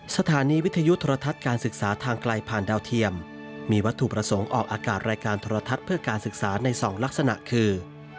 สถานีวิทยุโทรทัศน์การศึกษาทางไกลผ่านดาวเทียมมีวัตถุประสงค์ออกอากาศรายการโทรทัศน์เพื่อการศึกษาใน๒ลักษณะคือ